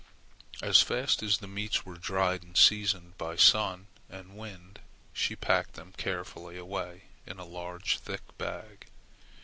As fast as the meats were dried and seasoned by sun and wind, she packed them carefully away in a large thick bag.